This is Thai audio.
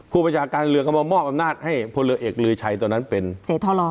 ผู้จัดการเรือกันมามอบอำนาจให้พลเรือเอกลื้อชัยตอนนั้นเป็นเสทธลอ